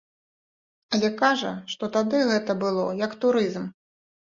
Але кажа, што тады гэта было як турызм.